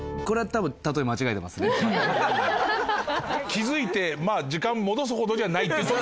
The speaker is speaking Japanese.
気付いて時間戻すほどじゃないっていう時もあるのね。